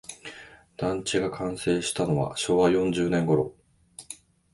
団地が完成したのは昭和四十年ごろ